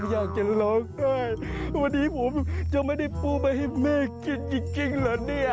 อยากจะร้องได้วันนี้ผมจะไม่ได้ปูไปให้แม่กินจริงเหรอเนี่ย